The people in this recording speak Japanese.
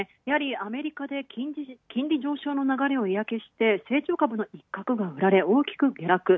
やはりアメリカで金利上昇の流れを嫌気して、成長株の一角が売られ大きく下落。